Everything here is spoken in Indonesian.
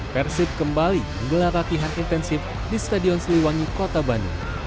persib kembali menggelar kaki hard intensif di stadion siliwangi kota bandung